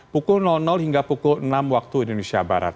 pukul hingga pukul enam waktu indonesia barat